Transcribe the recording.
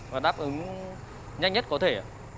và đáp ứng nhanh nhất có thể